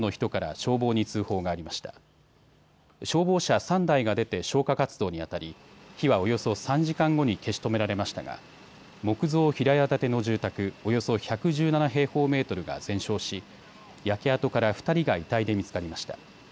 消防車３台が出て消火活動にあたり火はおよそ３時間後に消し止められましたが木造平屋建ての住宅およそ１１７平方メートルが全焼し焼け跡から２人が遺体で見つかりました。